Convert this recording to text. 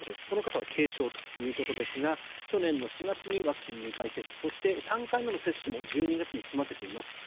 この方は軽症ということですが去年４月にワクチンを２回接種そして３回目の接種も１２月に済ませています。